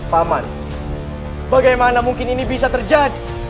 paman bagaimana mungkin ini bisa terjadi